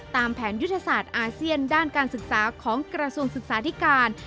ตามแผนยุทธศาสตร์อาเซียนด้านการศึกษาของกระทรวงศึกษาธิการ